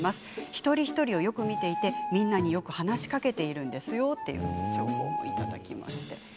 一人一人をよく見ていてみんなによく話しかけているんですよという情報もいただきました。